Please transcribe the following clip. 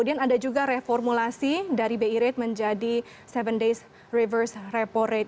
ada juga reformulasi dari bi rate menjadi tujuh days reverse repo rate